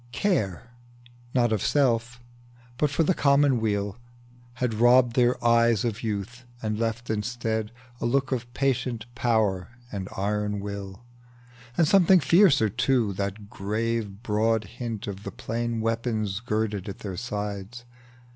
Care, not of self, but of the commonweal, Had robbed their eyes of youth, and left instead A look of patient power and iron will, And something fiercer, too, that gave broad hint Of the plain weapons girded at their sides.